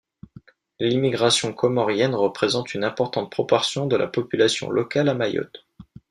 L'immigration commorienne représente une importante proportion de la population locale à Mayotte.